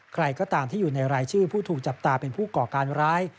ใครก็ตามที่อยู่ในรายชื่อผู้ถูกจับตาเป็นผู้ก่อการร้าย